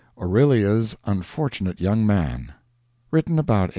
AURELIA'S UNFORTUNATE YOUNG MAN [Written about 1865.